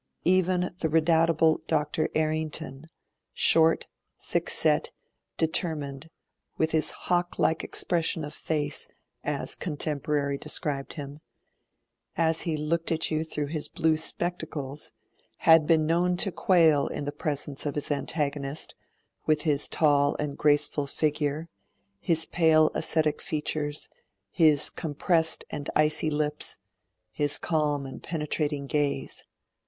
Even the redoubtable Dr. Errington, short, thickset, determined, with his `hawk like expression of face', as a contemporary described him, 'as he looked at you through his blue spectacles', had been known to quail in the presence of his, antagonist, with his tall and graceful figure, his pale ascetic features, his compressed and icy lips, his calm and penetrating gaze.